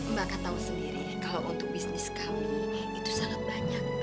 mbak ka tahu sendiri kalau untuk bisnis kami itu sangat banyak